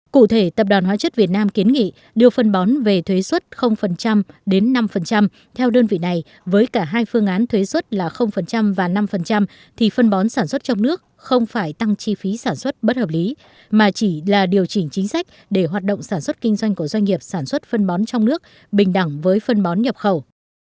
cụ thể tập đoàn hóa chất việt nam kiến nghị điều phân bón về thuế suất năm theo đơn vị này với cả hai phương án thuế suất là và năm thì phân bón sản xuất trong nước không phải tăng chi phí sản xuất bất hợp lý mà chỉ là điều chỉnh chính sách để hoạt động sản xuất kinh doanh của doanh nghiệp sản xuất phân bón trong nước bình đẳng với phân bón nhập khẩu